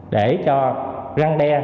để cho răng đe